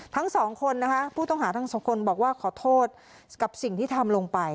ทั้งสองคนนะคะผู้ต้องหาทั้งสองคนบอกว่าขอโทษกับสิ่งที่ทำลงไป